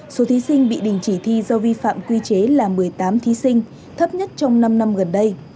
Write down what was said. số thí sinh bị đình chỉ thi do vi phạm quy chế là một mươi tám thí sinh thấp nhất trong năm năm gần đây